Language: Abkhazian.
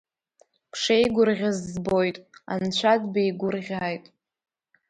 Бшеигәырӷьаз збоит, Анцәа дбеигәырӷьааит.